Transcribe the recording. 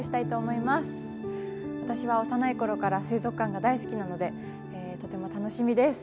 私は幼い頃から水族館が大好きなのでとても楽しみです。